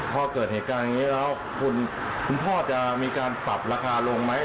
พอเกิดเหตุการณ์อย่างนี้แล้วคุณพ่อจะมีการปรับราคาลงไหม